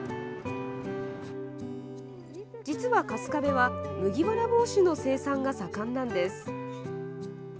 実は春日部は麦わら帽子の生産が盛んなんです。